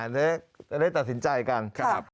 จะได้ตัดสินใจกัน